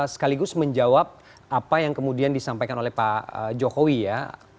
sekaligus menjawab apa yang kemudian disampaikan oleh pak jokowi ya